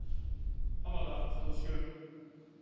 浜田聡君。